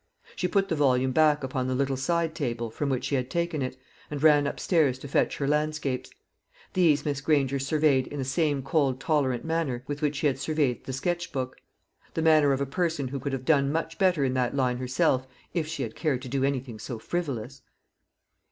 She put the volume back upon the little side table from which she had taken it, and ran upstairs to fetch her landscapes. These Miss Granger surveyed in the same cold tolerant manner with which she had surveyed the sketch book the manner of a person who could have done much better in that line herself, if she had cared to do anything so frivolous.